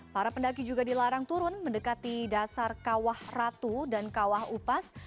para pendaki juga dilarang turun mendekati dasar kawah ratu dan kawah upas